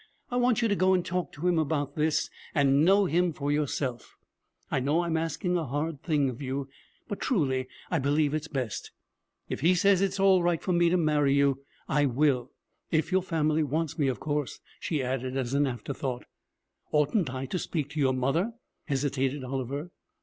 I want you to go and talk to him about this, and know him for yourself. I know I'm asking a hard thing of you, but, truly, I believe it's best. If he says it's all right for me to marry you, I will if your family want me, of course,' she added as an afterthought. 'Oughtn't I to speak to your mother?' hesitated Oliver.